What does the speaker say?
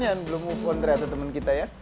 yan belum move on ternyata temen kita ya